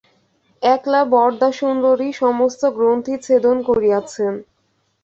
একলা বরদাসুন্দরী সমস্ত গ্রন্থি ছেদন করিয়াছেন।